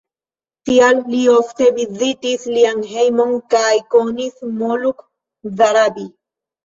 Tial li ofte vizitis ilian hejmon kaj konis Moluk Zarabi.